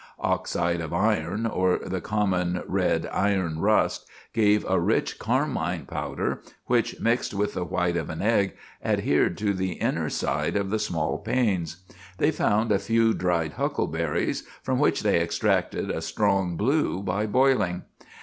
Oxide of iron, or the common red iron rust, gave a rich carmine powder, which, mixed with the white of an egg, adhered to the inner side of the small panes. They found a few dried huckleberries, from which they extracted a strong blue by boiling.